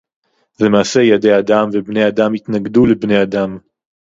זה מעשה ידי אדם ובני אדם יתנגדו לבני אדם